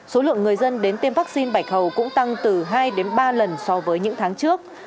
số lượng người dân đến tiêm vaccine bạch hầu cũng tăng từ hai đến ba lần so với những tháng trước